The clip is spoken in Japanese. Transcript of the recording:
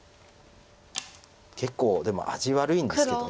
結構でも味悪いんですけど。